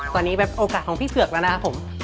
ตอนนี้แบบโอกาสของพี่เผือกแล้วนะค่ะ